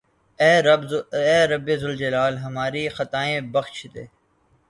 اے رب ذوالجلال ھماری خطائیں بخش دے